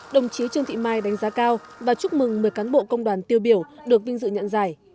đồng chí trương thị mai đánh giá cao và chúc mừng một mươi cán bộ công đoàn tiêu biểu được vinh dự nhận giải